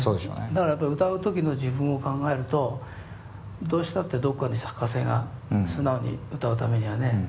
だからやっぱり歌う時の自分を考えるとどうしたってどこかに作家性が素直に歌うためにはね